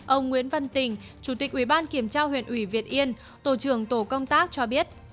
ông nguyễn văn tình chủ tịch ubkhu việt yên tổ trưởng tổ công tác cho biết